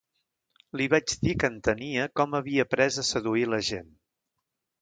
Li vaig dir que entenia com havia aprés a seduir la gent.